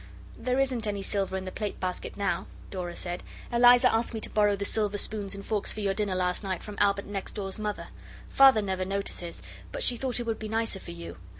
'There isn't any silver in the plate basket now,' Dora said. 'Eliza asked me to borrow the silver spoons and forks for your dinner last night from Albert next door's Mother. Father never notices, but she thought it would be nicer for you.